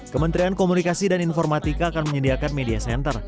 kementerian komunikasi dan informatika akan menyediakan media center